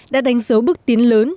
đã đánh dấu bước tiến lớn